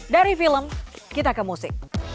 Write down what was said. dari film kita ke musik